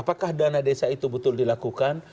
apakah dana desa itu betul dilakukan